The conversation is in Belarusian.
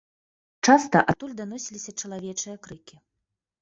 Часта адтуль даносіліся чалавечыя крыкі.